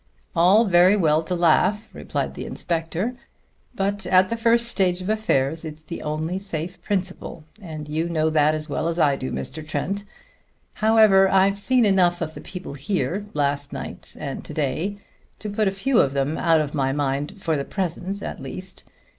"All very well to laugh," replied the inspector, "but at the first stage of affairs it's the only safe principle, and you know that as well as I do, Mr. Trent. However, I've seen enough of the people here, last night and to day, to put a few of them out of my mind for the present at least.